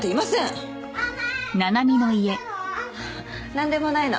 なんでもないの。